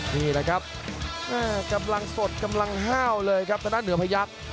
นี่แหละครับกำลังสดกำลังห้าวเลยครับธนาเหนือพยักษ์